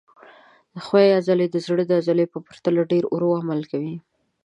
ښویې عضلې د زړه د عضلې په پرتله ډېر ورو عمل کوي.